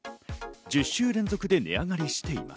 １０週連続で値上がりしています。